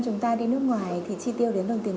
chúng ta đi nước ngoài thì chi tiêu đến đồng tiền